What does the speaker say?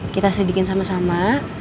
kita sedikit sama sama